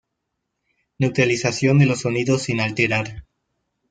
Neutralización de los sonidos sin alterar.